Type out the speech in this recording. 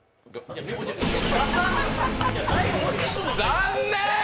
残念！